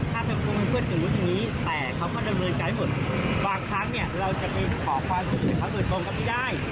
บางครั้งเราจะไปขอความสุขให้เขาอื่นตรงกันไม่ได้